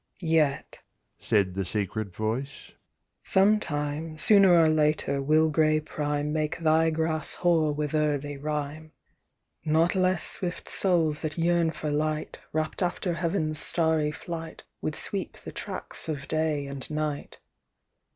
"Yet," said the secret voice, "some time, Sooner or later, will gray prime Make thy grass hoar with early rime. "Not less swift souls that yearn for light, Rapt after heaven's starry flight, Would sweep the tracts of day and night.